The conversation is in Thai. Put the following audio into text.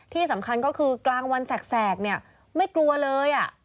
ที่สำคัญก็คือกลางวันแสกเนี่ยไม่กลัวเลย